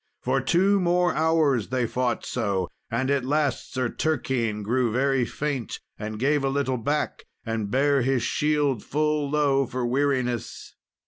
For two more hours they fought so, and at the last Sir Turquine grew very faint, and gave a little back, and bare his shield full low for weariness.